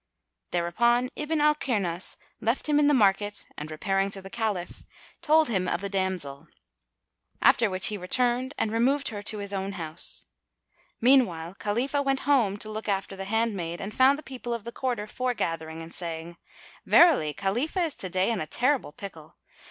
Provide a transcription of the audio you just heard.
Thereupon Ibn al Kirnas left him in the market and repairing to the Caliph, told him of the damsel; after which he returned and removed her to his own house. Meanwhile, Khalifah went home to look after the handmaid and found the people of the quarter foregathering and saying, "Verily, Khalifah is to day in a terrible pickle!